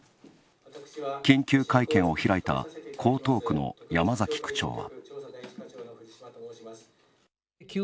緊急会見を開いた江東区の山崎区長は。